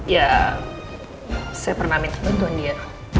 ya saya pernah minta bantuan dia